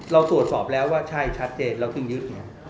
เราตรวจสอบแล้วว่าใช่ชัดเจนเราจึงยึดเนี่ย